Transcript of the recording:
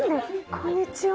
こんにちは。